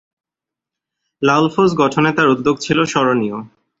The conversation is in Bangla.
লাল ফৌজ গঠনে তার উদ্যোগ ছিল স্মরণীয়।